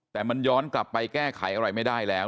แต่มันย้อนกลับไปแก้ไขอะไรไม่ได้แล้ว